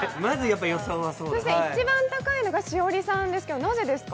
そして一番高いのは栞里さんですけど、なぜですか？